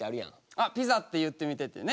あピザって言ってみてっていうね。